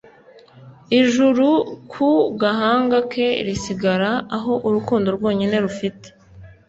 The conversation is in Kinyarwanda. Ijuru ku gahanga ke risigara aho urukundo rwonyine rufite